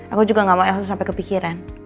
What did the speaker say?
aku juga gak mau langsung sampai kepikiran